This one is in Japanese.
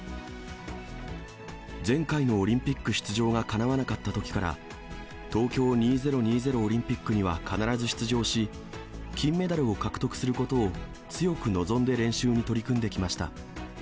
前回のオリンピック出場がかなわなかったときから、東京２０２０オリンピックには必ず出場し、金メダルを獲得することを強く望んで練習に取り組んできました。